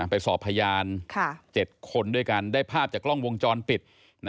ไปสอบพยาน๗คนด้วยกันได้ภาพจากกล้องวงจรปิด